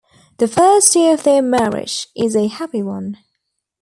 The first year of their marriage is a happy one.